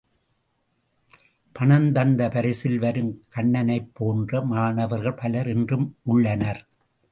பணம் தந்த பரிசில் வரும் கண்ணனைப் போன்ற மாணவர்கள் பலர் இன்றும் உள்ளனர்.